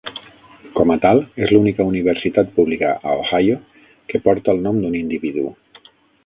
Com a tal, és l'única universitat pública a Ohio que porta el nom d'un individu.